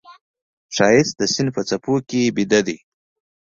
ښایست د سیند په څپو کې ویده دی